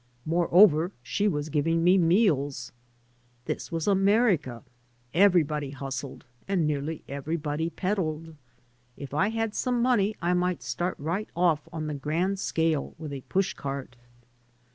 Moreover, she was giving me meals. This was America. Everybody hustled, and nearly everybody peddled. If I had some money I might start right off on the grand scale with a pushcart.